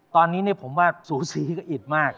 ตอนนี้ผมว่าสูสีก็อิดมาก